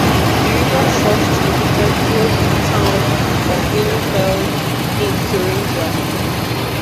The river's source is located close to the town of Leinefelde in Thuringia.